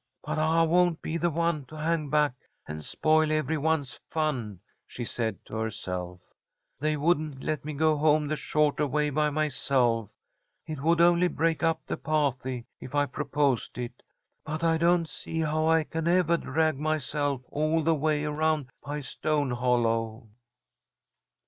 "But I won't be the one to hang back and spoil every one's fun," she said to herself, "They wouldn't let me go home the shorter way by myself. It would only break up the pah'ty if I proposed it. But I do not see how I can evah drag myself all the way around by Stone Hollow."